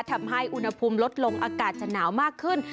ทำให้อุณหภูมิลดลงอากาศจะหนาวมากขึ้น